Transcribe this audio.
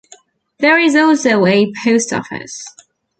There is also a Post Office.